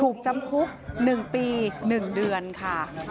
ถูกจำคุก๑ปี๑เดือนค่ะ